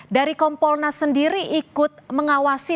dari kompolnas sendiri ikut mengawasi